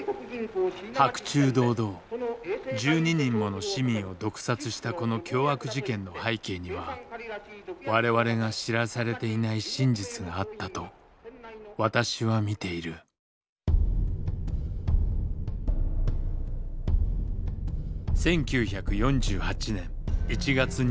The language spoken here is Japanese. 白昼堂々１２人もの市民を毒殺したこの凶悪事件の背景には我々が知らされていない真実があったと私は見ている１９４８年１月２６日。